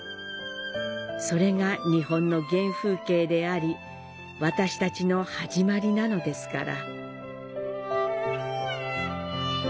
それが日本の原風景であり、私たちの始まりなのですから。